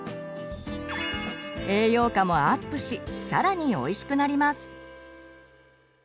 栄養価もアップし更においしくなります。